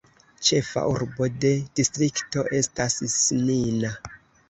Ĉefa urbo de distrikto estas Snina.